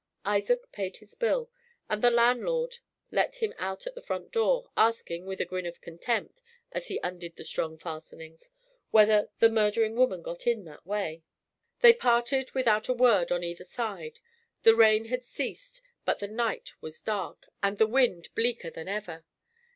Isaac paid his bill, and the landlord let him out at the front door, asking, with a grin of contempt, as he undid the strong fastenings, whether "the murdering woman got in that way." They parted without a word on either side. The rain had ceased, but the night was dark, and the wind bleaker than ever.